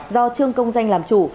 do trương công danh làm chủ